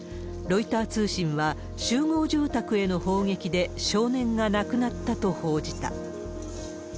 ロイター通信は、集合住宅への砲撃で少年が亡くなったと報じた。